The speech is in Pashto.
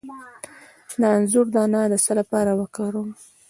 د انځر دانه د څه لپاره وکاروم؟